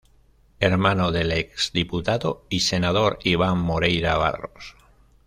Hermano del ex diputado y Senador Iván Moreira Barros.